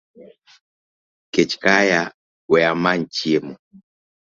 .kech kaya wee amany chiemo